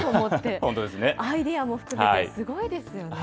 アイデアも含めて、すごいですよね。